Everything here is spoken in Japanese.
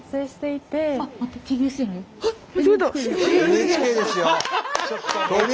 ＮＨＫですよ！